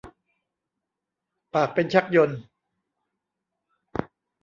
ปากเป็นชักยนต์